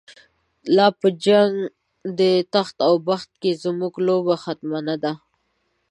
لاپه جنګ دتخت اوبخت کی، زموږ لوبه ختمه نه ده